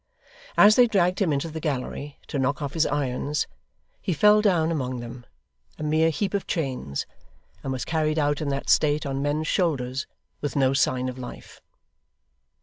As they dragged him into the gallery to knock off his irons, he fell down among them, a mere heap of chains, and was carried out in that state on men's shoulders, with no sign of life.